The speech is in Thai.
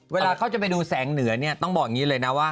เวลาเขาจะไปดูแสงเหนือเนี่ยต้องบอกอย่างนี้เลยนะว่า